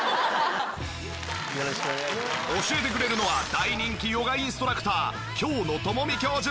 教えてくれるのは大人気ヨガインストラクター京乃ともみ教授！